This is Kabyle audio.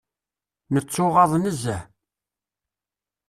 Nettuɣaḍ nezzeh.